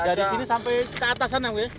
dari sini sampai ke atasan yang gue ya